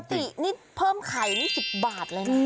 ปกตินี่เพิ่มไข่นี่๑๐บาทเลยนะ